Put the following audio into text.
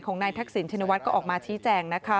ของนายทักศิลป์ชนวัฒน์ก็ออกมาชี้แจง